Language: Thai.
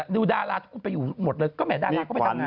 ดูดาราทไปอยู่หมดเลยก็แหม่ดราลังก็ไปจับนั้น